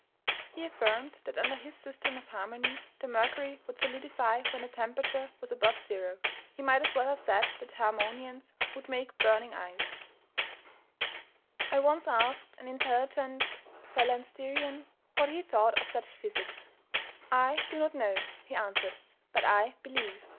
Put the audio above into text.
He affirmed that under his system of harmony the mercury would solidify when the temperature was above zero. He might as well have said that the Harmonians would make burning ice. I once asked an intelligent phalansterian what he thought of such physics. "I do not know," he answered; "but I believe."